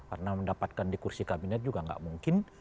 karena mendapatkan di kursi kabinet juga nggak mungkin